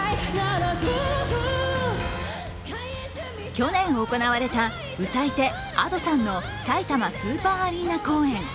去年行われた歌い手、Ａｄｏさんのさいたまスーパーアリーナ公演。